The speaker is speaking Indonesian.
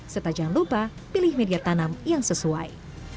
serta jangan lupa pilih media tanam yang sesuai